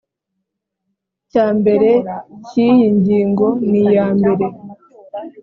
cya mbere cy iyi ngingo niyambere